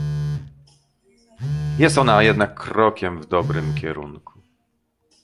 Jest ona jednak krokiem w dobrym kierunku